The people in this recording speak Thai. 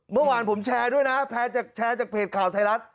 เมื่อวานผมแชร์ด้วยนะแชร์จากเพจข่าวไทยรัฐ